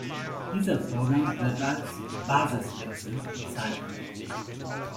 Dieser Vorgang wird als "Basiswechsel" bezeichnet.